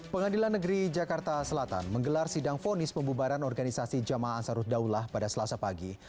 pengadilan negeri jakarta selatan menggelar sidang fonis pembubaran organisasi jamaah ansaruddaulah pada selasa pagi